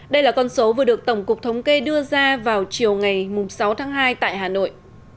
đây là con số vừa được tổng cục thống kê đưa ra vào chiều ngày sáu tháng hai tại hà nội